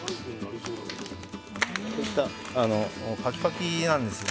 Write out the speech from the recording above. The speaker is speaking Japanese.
こういったパキパキなんですよ。